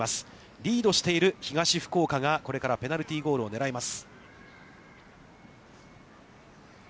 リードしている東福岡が、これからペナルティーゴールを狙います。